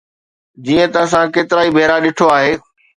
جيئن ته اسان ڪيترائي ڀيرا ڏٺو آهي.